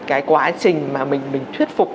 cái quá trình mà mình thuyết phục